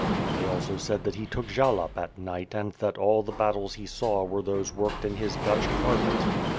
They also said that he took jalap at night and that all the battles he saw were those worked in his Dutch carpet.